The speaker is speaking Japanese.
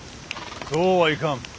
そうはいかん。